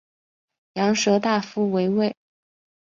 羊舌大夫为尉。